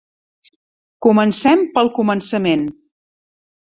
Comencem pel començament